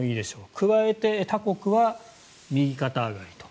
加えて、他国は右肩上がりと。